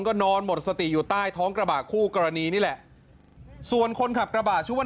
ก็นอนหมดสติอยู่ใต้ท้องกระบะคู่กรณีนี่แหละส่วนคนขับกระบะชื่อว่า